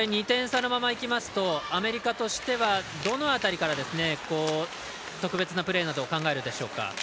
２点差のままいきますとアメリカとしてはどの辺りから特別なプレーなどを考えるのでしょうか？